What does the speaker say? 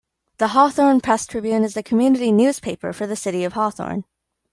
The "Hawthorne Press Tribune" is the community newspaper for the City of Hawthorne.